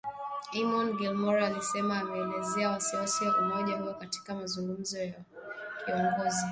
Eamon Gilmore alisema ameelezea wasiwasi wa umoja huo, katika mazungumzo na kiongozi huyo mkongwe wa Uganda na maafisa wengine